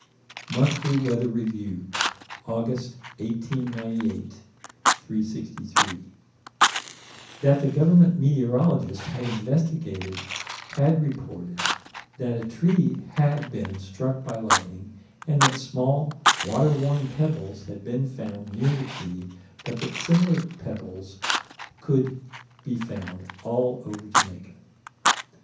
Monthly Weather Review, August, 1898 363: That the government meteorologist had investigated: had reported that a tree had been struck by lightning, and that small water worn pebbles had been found near the tree: but that similar pebbles could be found all over Jamaica.